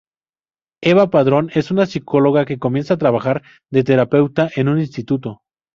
Eva Padrón es una psicóloga que comienza a trabajar de terapeuta en un instituto.